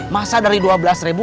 masa dari dua belas ribu